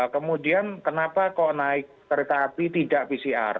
kemudian kenapa kok naik kereta api tidak pcr